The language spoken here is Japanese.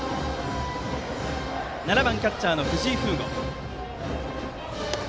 ７番、キャッチャーの藤井風伍。